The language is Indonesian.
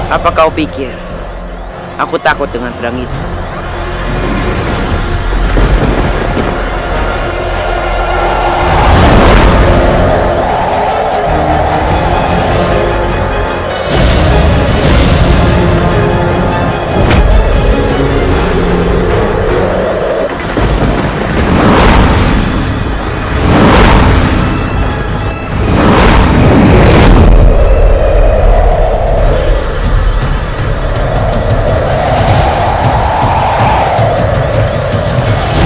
apa kau pikir aku takut dengan perang itu